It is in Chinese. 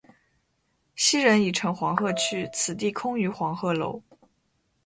昔人已乘黄鹤去，此地空余黄鹤楼。